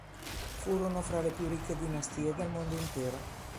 Furono fra le più ricche dinastie del mondo intero.